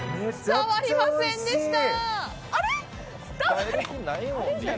伝わりませんでした。